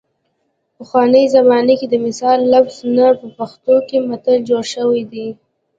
پخوانۍ زمانه کې د مثل لفظ نه په پښتو کې متل جوړ شوی دی